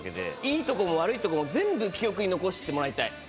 いいところもわるいところも全部記憶に残してもらいたい。